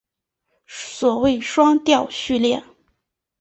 所谓双调序列。